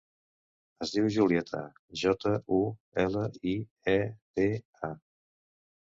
Es diu Julieta: jota, u, ela, i, e, te, a.